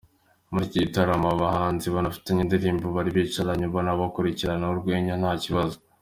Muri iki gitaramo aba bahanzi banafitanye indirimbo bari bicaranye ubona bakurikirana urwenya nta kibazo.